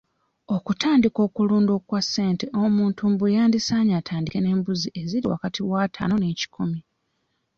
Okutandika okulunda okwa ssente omuntu mbu yandisaanye atandike n'embuzi eziri wakati w'ataano n'ekikumi.